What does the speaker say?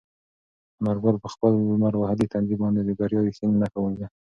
انارګل په خپل لمر وهلي تندي باندې د بریا رښتینې نښه ولیده.